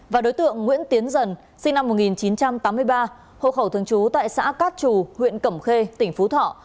và đối tượng nguyễn tiến dần sinh năm một nghìn chín trăm tám mươi ba hộ khẩu thường trú tại xã cát trù huyện cẩm khê tỉnh phú thọ